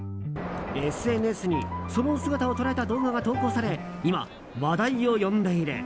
ＳＮＳにその姿を捉えた動画が投稿され今、話題を呼んでいる。